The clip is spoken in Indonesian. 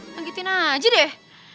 tanggitin aja deh